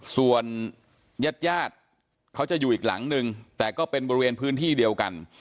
ส่วนญาติญาติเขาจะอยู่อีกหลังนึงแต่ก็เป็นบริเวณพื้นที่เดียวกัน